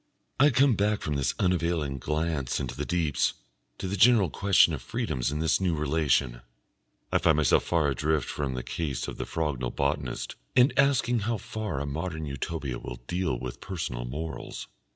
I come back from this unavailing glance into the deeps to the general question of freedoms in this new relation. I find myself far adrift from the case of the Frognal botanist, and asking how far a modern Utopia will deal with personal morals.